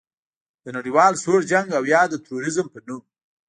د نړیوال سوړ جنګ او یا د تروریزم په نوم